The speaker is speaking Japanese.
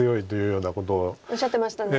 おっしゃってましたもんね。